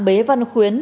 bế văn khuôn